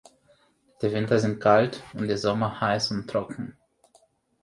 Die Winter sind kalt und die Sommer heiß und trocken.